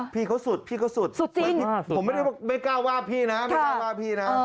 พี่เขาสุดพี่เขาสุดผมไม่กล้าว่าพี่นะครับสุดจริง